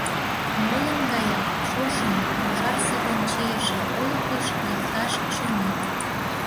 Молын гаяк шошым ужар сывын чийыше олыкыш лекташ шонен.